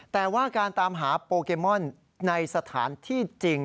แต่ว่าการตามหาโปเกมอนในสถานที่จริง